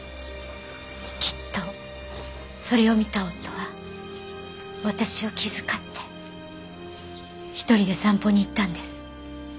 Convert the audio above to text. きっとそれを見た夫は私を気遣って１人で散歩に行ったんです。